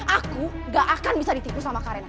aku gak akan bisa ditipu sama karena